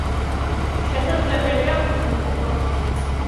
შესაძლებელია პირუკუ პროცესიც.